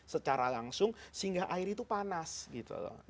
secara langsung sehingga air itu panas gitu loh